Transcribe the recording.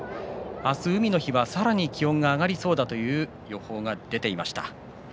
明日、海の日はさらに気温が上がりそうだという予報が出ていました。